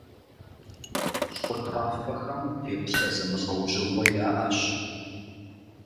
ЩӀы тафэхэм теплъэ зэмылӀэужьыгъуэ яӀэщ.